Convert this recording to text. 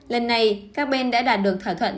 lần này các bên đã đạt được thảo thuận